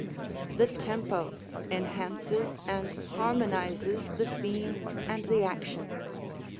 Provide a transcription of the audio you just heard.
The tempo enhances and harmonizes the scene and the action.